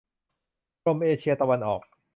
กรมเอเชียตะวันออก